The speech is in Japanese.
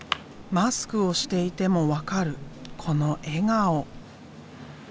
マスクをしていても分かるこの笑顔。